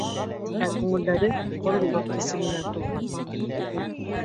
Ә күңелдәре ғорурлыҡ хисе менән тулған.